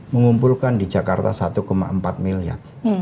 mengumpulkan di jakarta satu empat miliar